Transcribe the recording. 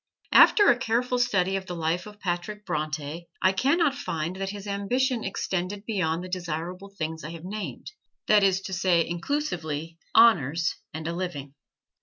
After a careful study of the life of Patrick Bronte I can not find that his ambition extended beyond the desirable things I have named that is to say, inclusively, honors and a living.